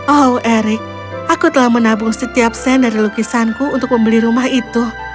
oh erik aku telah menabung setiap sen dari lukisanku untuk membeli rumah itu